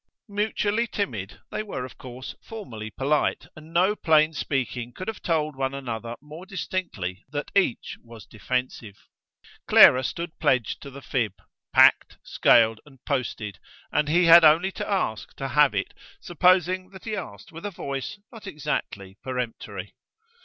Mutually timid, they were of course formally polite, and no plain speaking could have told one another more distinctly that each was defensive. Clara stood pledged to the fib; packed, scaled and posted; and he had only to ask to have it, supposing that he asked with a voice not exactly peremptory.